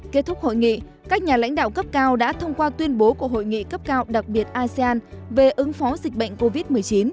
kết thúc hội nghị các nhà lãnh đạo cấp cao đã thông qua tuyên bố của hội nghị cấp cao đặc biệt asean về ứng phó dịch bệnh covid một mươi chín